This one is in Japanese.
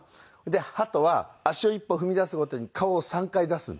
でハトは足を一歩踏み出すごとに顔を３回出すんです。